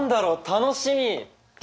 楽しみ！